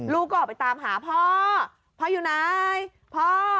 ลูกก็ออกไปตามหาพ่อพ่ออยู่ไหนพ่อ